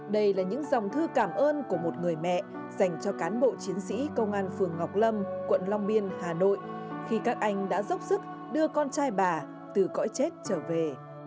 đây là những dòng thư cảm ơn của một người mẹ dành cho cán bộ chiến sĩ công an phường ngọc lâm quận long biên hà nội khi các anh đã dốc sức đưa con trai bà từ cõi chết trở về